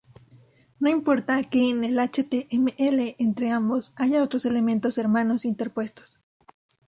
No importa que en el html entre ambos haya otros elementos hermanos interpuestos.